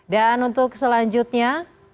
dan untuk selanjutnya